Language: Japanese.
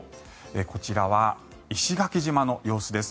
こちらは石垣島の様子です。